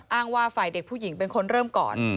ว่าฝ่ายเด็กผู้หญิงเป็นคนเริ่มก่อน